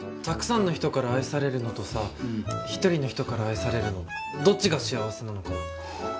たくさんの人から愛されるのとさ１人の人から愛されるのどっちが幸せなのかな？